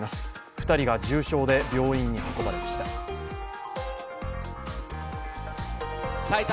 ２人が重傷で病院に運ばれました。